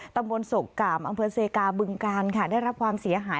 ตำบลโศกกามอำเภอเซกาบึงกาลค่ะได้รับความเสียหาย